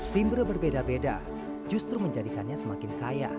timbre berbeda beda justru menjadikannya semakin kaya